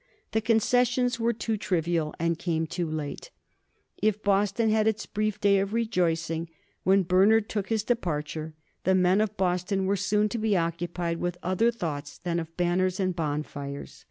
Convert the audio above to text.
The concessions were too trivial and they came too late. If Boston had its brief day of rejoicing when Bernard took his departure, the men of Boston were soon to be occupied with other thoughts than of banners and bonfires.